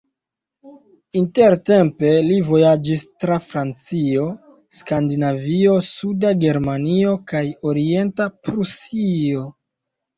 Intertempe li vojaĝis tra Francio, Skandinavio, Suda Germanio kaj Orienta Prusio.